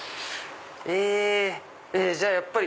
じゃあやっぱり。